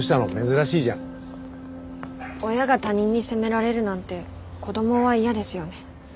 親が他人に責められるなんて子どもは嫌ですよね。